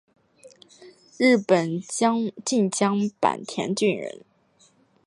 日本近江坂田郡人。